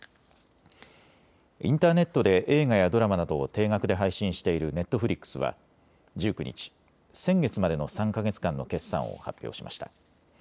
インターネットで映画やドラマなどを定額で配信しているネットフリックスは１９日、先月までの３か月間の決算を発表しました。